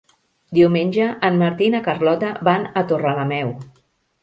Diumenge en Martí i na Carlota van a Torrelameu.